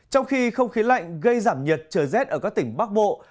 trong khi không khí lạnh gây giảm nhiệt trời rét ở các tỉnh bắc bộ